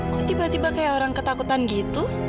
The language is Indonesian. kok tiba tiba kayak orang ketakutan gitu